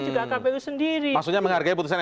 juga kpu sendiri maksudnya menghargai putusan